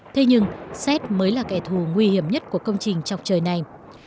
thế nhưng xét mới là kẻ thù nguy hiểm nhất của công trình chọc trời này